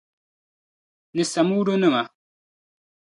Ni Samuudu nima.